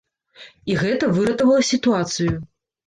І гэта выратавала сітуацыю.